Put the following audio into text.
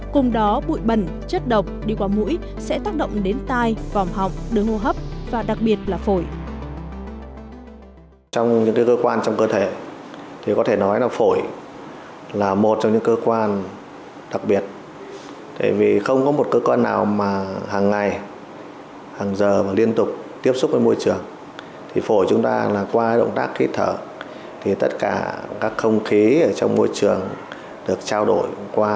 cùng đó bụi bẩn chất độc đi qua mũi sẽ tác động đến tai vòng họng đường hô hấp và đặc biệt là phổi